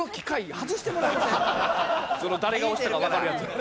その誰が押したかわかるやつ。